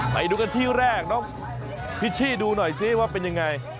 ไปดูกันที่แรกน้องพิชชี่ดูหน่อยซิว่าเป็นยังไง